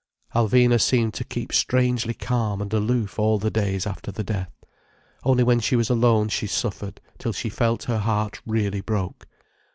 Alvina seemed to keep strangely calm and aloof all the days after the death. Only when she was alone she suffered till she felt her heart really broke.